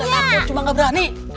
gak takut cuma gak berani